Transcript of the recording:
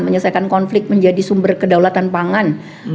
menyelesaikan konflik menjadi sumber kedaulatan pangan